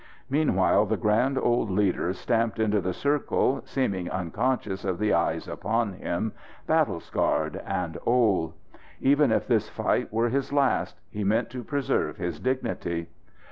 Meanwhile the grand old leader stamped into the circle, seeming unconscious of the eyes upon him, battle scarred and old. Even if this fight were his last, he meant to preserve his dignity.